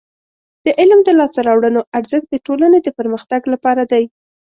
د علم د لاسته راوړنو ارزښت د ټولنې د پرمختګ لپاره دی.